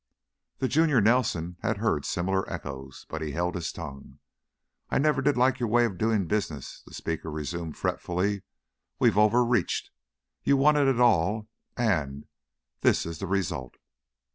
The junior Nelson had heard similar echoes, but he held his tongue. "I never did like your way of doing business," the speaker resumed, fretfully. "We've overreached. You wanted it all and this is the result."